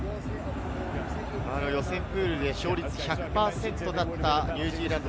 予選プールで勝率１００％だったニュージーランド。